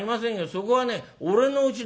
そこはね俺のうちだい」。